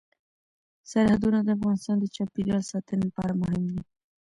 سرحدونه د افغانستان د چاپیریال ساتنې لپاره مهم دي.